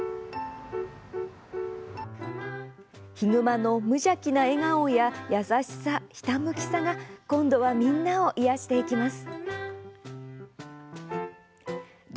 悲熊の無邪気な笑顔や優しさ、ひたむきさが今度はみんなを癒やしていきます。